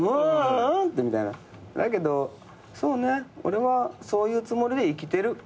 だけどそうね俺はそういうつもりで生きてるよ。